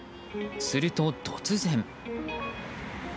すると突然。